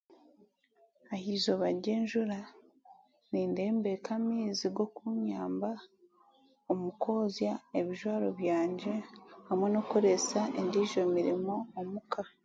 Aha izooba ry'enjura, nindembeeka amaizi g'okunyamba omu kwozya ebijwaro byangye hamwe n'okukoresa endiijo emirimo omuka